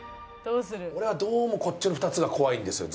俺はどうもこっちの２つが怖いんですよ